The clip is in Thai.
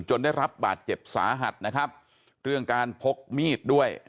ได้รับบาดเจ็บสาหัสนะครับเรื่องการพกมีดด้วย